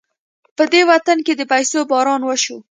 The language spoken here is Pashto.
په دې وطن د پيسو باران وشو.